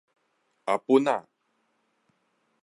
阿本仔